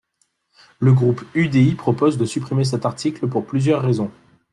Le groupe UDI propose de supprimer cet article pour plusieurs raisons.